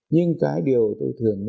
những cái điều kiện đó